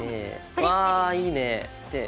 わあいいね！